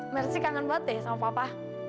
mersi kangen banget deh sama papa